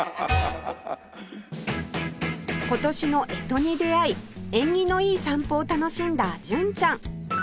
今年の干支に出会い縁起のいい散歩を楽しんだ純ちゃん